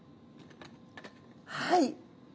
はい。